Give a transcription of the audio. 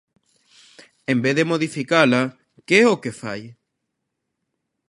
En vez de modificala, ¿que é o que fai?